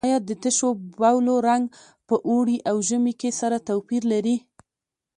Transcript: آیا د تشو بولو رنګ په اوړي او ژمي کې سره توپیر لري؟